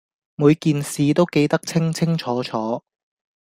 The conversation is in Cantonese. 每件事都記得清清楚楚